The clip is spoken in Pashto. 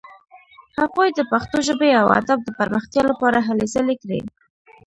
هغوی د پښتو ژبې او ادب د پرمختیا لپاره هلې ځلې کړې.